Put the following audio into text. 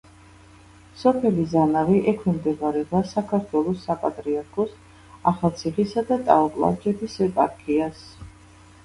სოფელი ზანავი ექვემდებარება საქართველოს საპატრიარქოს ახალციხისა და ტაო-კლარჯეთის ეპარქიას.